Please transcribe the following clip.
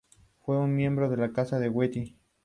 Fue un miembro de la Casa de Wettin.